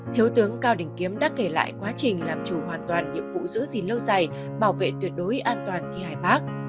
thiếu tướng cao đình kiếm đã kể lại quá trình làm chủ hoàn toàn nhiệm vụ giữ gìn lâu dài bảo vệ tuyệt đối an toàn thi hài bác